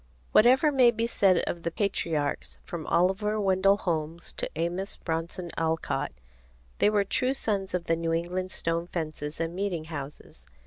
Whatever may be said of the patriarchs, from Oliver Wendell Holmes to Amos Bronson Alcott, they were true sons of the New England stone fences and meeting houses.